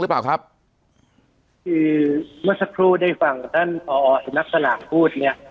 หรือเปล่าครับคือเมื่อสักครู่ได้ฟังท่านพอลักษณะพูดเนี้ย